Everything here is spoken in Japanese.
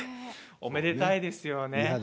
おめでたいですよね